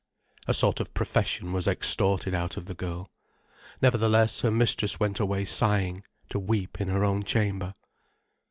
A sort of profession was extorted out of the girl. Nevertheless her mistress went away sighing, to weep in her own chamber.